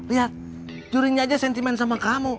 lihat curinya aja sentimen sama kamu